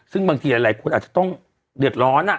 ซึ่งบางทีหลายคนอาจจะต้องเดือดร้อน